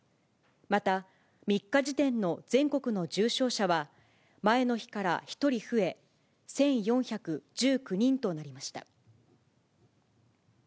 また３日時点の全国の重症者は、前の日から１人増え、１４１９人となりました。